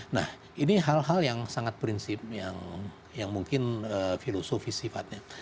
nah ini hal hal yang sangat prinsip yang mungkin filosofis sifatnya